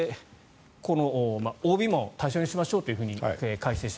ＯＢも対象にしましょうと改正した。